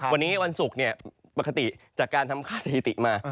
วันนี้วันศุกร์ปกติจากการทำค่าสถิติมา